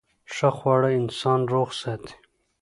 ښه خواړه انسان روغ ساتي.